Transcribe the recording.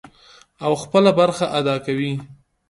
او خپله برخه ادا کوي.